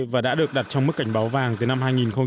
và đã được đặt trong mức cảnh báo vàng từ năm hai nghìn một mươi năm